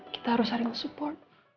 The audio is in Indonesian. kita harus sering support